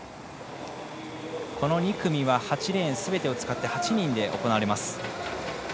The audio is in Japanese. ２組は８レーンすべてを使って８人で行われます。